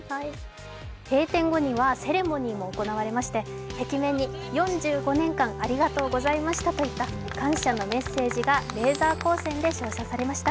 閉店後にはセレモニーも行われまして、壁面に「４５年間ありがとうございました」といった感謝のメッセージがレーザー光線で照射されました。